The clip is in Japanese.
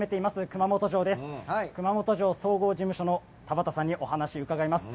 熊本城総合事務所のタバタさんにお話伺います。